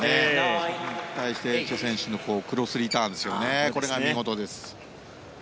それに対してチェ選手のクロスリターンが見事です。